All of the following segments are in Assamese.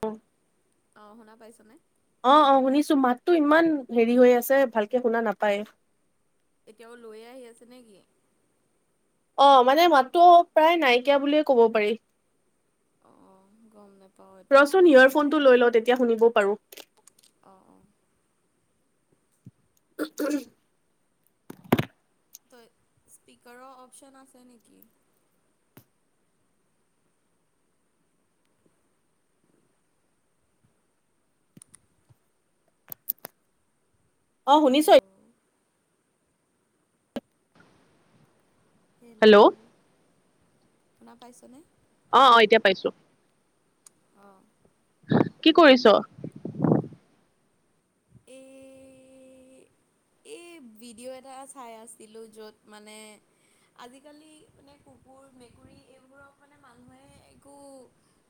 অ। অ শুনা পাইছনে। ফোনটো ইমান হেৰি হৈ আছে ভালকে শুনা নাপায়? এতিয়াও লৈয়ে আহি আছে নেকি? অ মানে মাতটো প্ৰায় নাইকিয়া বুলিয়ে কব পাৰি? অঁ গম নাপাওঁ এইটো কিয় ৰচোন হৈ আছে ইয়াৰফোনটো লৈ লওঁ তেতিয়া শুনিব পাৰোঁ? অঁ অঁ [inaudible] [unintelligible] ত স্পীকাৰৰ অপচন আছে নেকি? অ শুনিছ? হেল্ল' হেল্ল' শুনা পাইছনে? অ', অ', এতিয়া পাইছো? আহ। কি কৰিছ? এ। এই ভিডিঅ' এটা চাই আছিলো য'ত মানে আজিকালি মানে কুকুৰ মেকুৰী এইবোৰক মানে মানুহে একো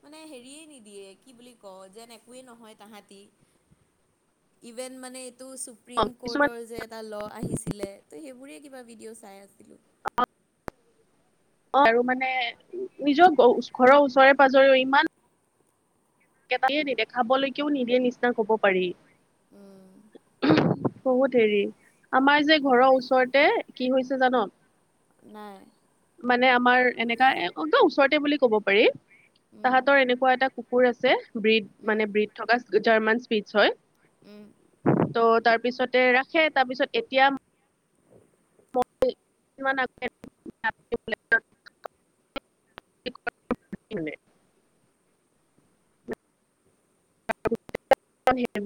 মানে হেৰিয়ে নিদিয়ে কি বুলি ক যেন একোৱে নহয় তাহাঁতি ইভেন মানে? ত অ সুপ্ৰিম কিছুমান কৰ্ট। এই যে এটা ল আহিছিলে ত সেইবোৰয়ে। কিবা ভিডিও চাই আছে? অ', আৰু মানে নিজৰ ঘৰৰ ওচৰে পাজৰেও ইমান। তাকেই নিদে খাবলৈকেও নিদিয়ে নিচিনা কব পাৰি? উ'ম। বহুত হেৰি আমাৰ যে ঘৰৰ ওচৰতে কি হৈছে জান। নাই? মানে আমাৰ এনেকা একদম ওচৰতে বুলি ক'ব পাৰি। উম তাহাঁতৰ এনেকুৱা এটা কুকুৰ আছে ব্ৰীদ উম মানে ব্ৰীদ থকা জাৰ্মান? পিটচ হয়। উ'ম। ত' তাৰপিছতে ৰাখে তাৰপিছত এতিয়া? [unintelligible] [unintelligible] [unintelligible] [unintelligible]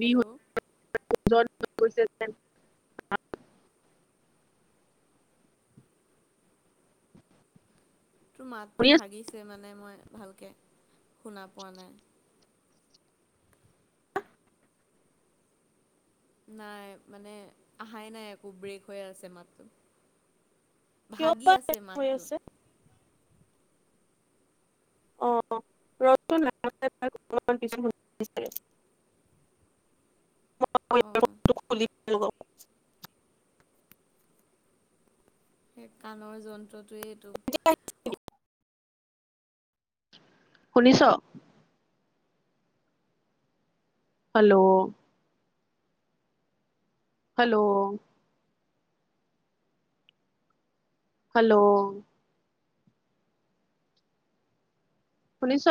হেল্ল' [unintelligible] [unintelligible] [unintelligible] তোৰ মাতো শুনি আছো ভাগিছে মানে। মই ভালকৈ শুনা পোৱা নাই? নাই মানে অহাই নাই একো ব্ৰেক হৈ আছে মাতটো। কিয় ভাগি বা আছে হৈ মাতটো আছে? অ ৰখচোন অমানছ। অঁ', লোকক। সেই কাণৰ যন্ত্ৰত। টোৱেইটো? শুনিছ। হেল্ল'। হেল্ল' হেল্ল' শুনিছ?